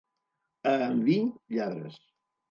A Enviny, lladres.